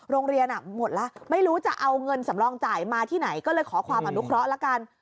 โรงเรียนอ่ะหมดละไม่รู้จะเอาเงินสำรองจ่ายมาที่ไหนก็เลยขอความอำนุเคราะห์แล้วกัน